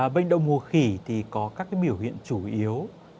bệnh đậu mùa khỉ thì có các biểu hiện chủ yếu